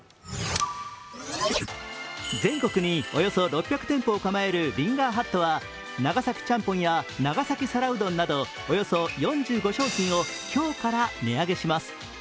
全国におよそ６００店舗を構えるリンガーハットは長崎ちゃんぽんや長崎皿うどんなどおよそ４５商品を今日から値上げします。